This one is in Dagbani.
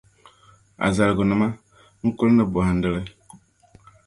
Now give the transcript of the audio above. a zaligunima; n kuli ni bɔhindi li.